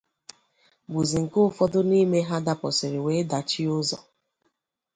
bụzị nke ụfọdụ n'ime ha dapụsịrị wee dachisie ụzọ